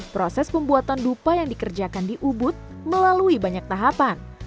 proses pembuatan dupa yang dikerjakan di ubud melalui banyak tahapan